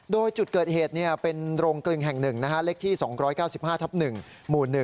โดยจุดเกิดเหตุเป็นโรงกลึงแห่ง๑เลขที่๒๙๕ทับ๑หมู่๑